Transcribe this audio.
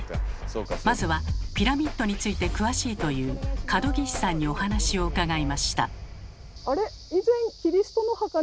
まずはピラミッドについて詳しいという角岸さんにお話を伺いました。